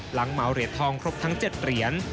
เหมาเหรียญทองครบทั้ง๗เหรียญ